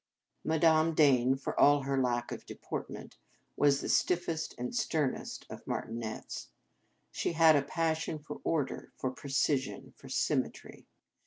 Madame Dane, for all her lack of deportment, was the stiffest and stern est of martinets. She had a passion for order, for precision, for symmetry.